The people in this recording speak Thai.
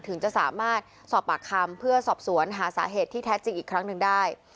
ถึงจะสามารถสอบปากคำเพื่อสอบสวนหาสาเหตุที่แท้จริงอีกครั้งหนึ่งได้